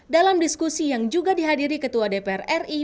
dalam diskusi yang juga dihadiri ketua dpr ri